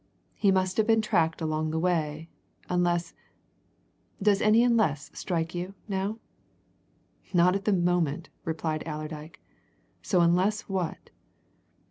He must have been tracked all the way, unless does any unless strike you, now?" "Not at the moment," replied Allerdyke. "So unless what?"